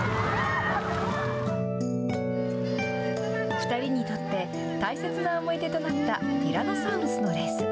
２人にとって、大切な思い出となったティラノサウルスのレース。